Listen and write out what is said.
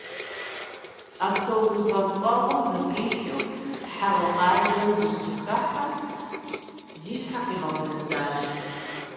Автобус бампӀэгъуэм дыкъикӀыу хьэуа къабзэм дыщыхыхьэм, ди щхьэр къигъэунэзащ.